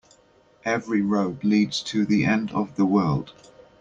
Every road leads to the end of the world.